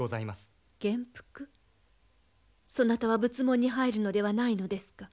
そなたは仏門に入るのではないのですか？